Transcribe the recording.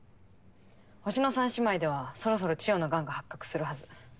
「星の三姉妹」ではそろそろチヨの癌が発覚するはず。